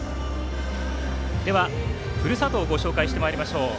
では、ふるさとをご紹介してまいりましょう。